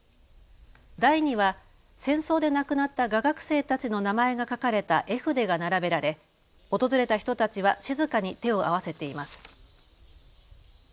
台には戦争で亡くなった画学生たちの名前が書かれた絵筆が並べられ、訪れた人たちは静かに手を合わせています。